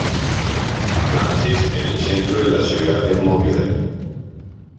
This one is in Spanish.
Francis en el centro de la ciudad de Mobile.